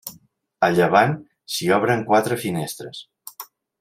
A llevant s'hi obren quatre finestres.